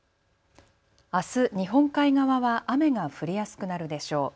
あす、日本海側は雨が降りやすくなるでしょう。